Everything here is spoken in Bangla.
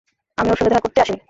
আমিও ওর সাথে দেখা করতে আসি নি।